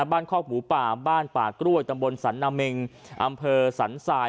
บ้านข้อหมูป่าบ้านปากร้วยตำบลสันนามิงอำเภอสันทราย